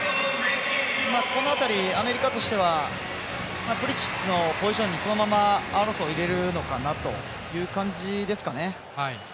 この辺りアメリカとしてはプリシッチのポジションにそのままアーロンソンを入れるのかなという感じですかね。